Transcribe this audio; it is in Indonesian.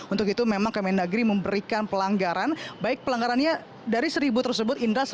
untuk itu memang kemendagri memberikan pelanggaran baik pelanggarannya dari seribu tersebut indra satu ratus dua puluh lima asn